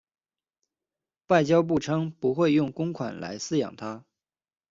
外交部称不会用公款来饲养它。